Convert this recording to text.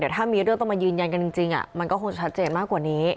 ถ้ามีเรื่องต้องมายืนยันกันจริงมันก็คงชัดเจนมากกว่านี้